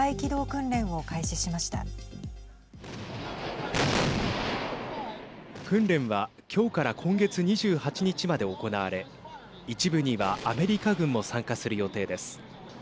訓練は今日から今月２８日まで行われ一部にはアメリカ軍も参加する予定です。